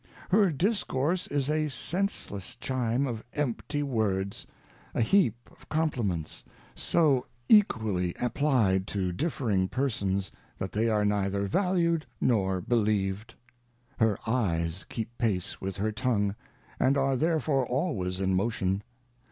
Her Discourse is a senseless Chime of empty Words, a heap of Compliments so equally applied to differing Per«OM«, that they are neither valu'd nor believ'd. Her Eyes keep pace with her Tongue, and are therefore always in motion.